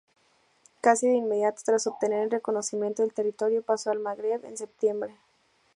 Casi de inmediato, tras obtener el reconocimiento del territorio, pasó al Magreb, en septiembre.